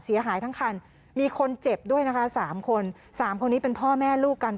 เสียหายทั้งคันมีคนเจ็บด้วยนะคะสามคนสามคนนี้เป็นพ่อแม่ลูกกัน